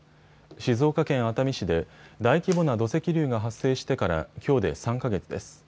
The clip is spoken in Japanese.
静岡県熱海市で大規模な土石流が発生してからきょうで３か月です。